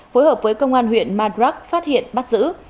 phối hợp với công an huyện madrak phát hiện bắt giữ